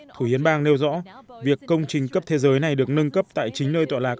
thủ hiến bang nêu rõ việc công trình cấp thế giới này được nâng cấp tại chính nơi tọa lạc